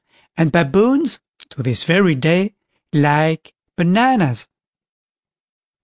And Baboons to this very day like bananas.